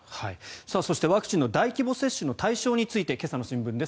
そしてワクチンの大規模接種の対象について今朝の新聞です。